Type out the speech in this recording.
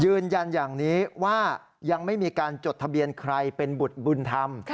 ยืนยันอย่างนี้ว่ายังไม่มีการจดทะเบียนใครเป็นบุตรบุญธรรม